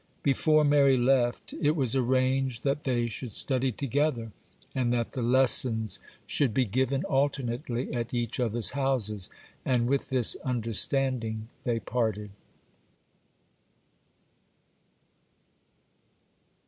Before Mary left, it was arranged that they should study together, and that the lessons should be given alternately at each other's houses; and with this understanding they parted.